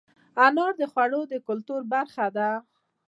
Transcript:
انار د خوړو د کلتور برخه ده.